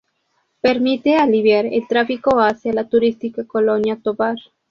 Permite aliviar el tráfico hacia la turística Colonia Tovar.